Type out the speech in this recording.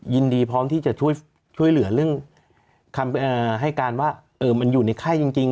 ยินดีพร้อมที่จะช่วยเหลือเรื่องคำให้การว่ามันอยู่ในไข้จริง